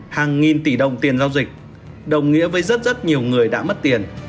hàng nghìn tỷ đồng tiền giao dịch đồng nghĩa với rất rất nhiều người đã mất tiền